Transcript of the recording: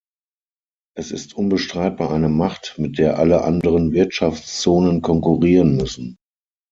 Es ist unbestreitbar eine Macht, mit der alle anderen Wirtschaftszonen konkurrieren müssen.